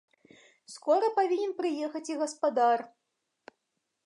Скора павінен прыехаць і гаспадар.